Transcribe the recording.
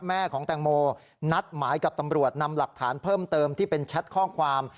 แม่ของแตงโมนัดหมายกับตำรวจนำหลักฐานเพิ่มเติมที่เป็นแชทข้อความ